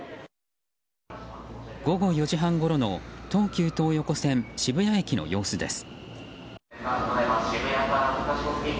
午後４時半ごろの東急東横線渋谷駅の様子です。